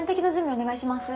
お願いします。